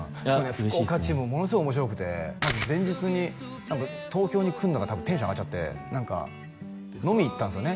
福岡チームもものすごい面白くてまず前日に東京に来るのがたぶんテンション上がっちゃって何か飲み行ったんすよね